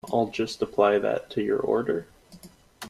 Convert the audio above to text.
I'll just apply that to your order.